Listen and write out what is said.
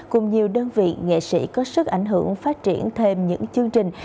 cùng nhiều đơn vị nghệ sĩ có sức ảnh hưởng phát triển thêm những chương trình